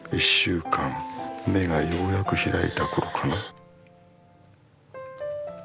目がようやく開いた頃かな。